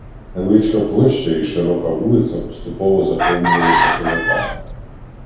Невеличка площа і широка вулиця поступово заповнювалися козаками.